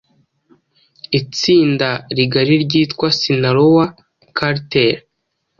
itsinda rigari ryitwa 'Sinaloa cartel',